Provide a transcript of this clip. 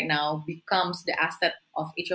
menjadi aset bagi setiap daerah